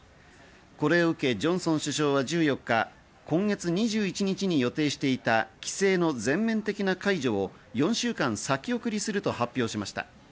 これを受け、ジョンソン首相は１４日、今月２１日に予定していた規制の全面的な解除を４週間先送りすると発表しました。